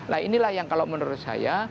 nah inilah yang kalau menurut saya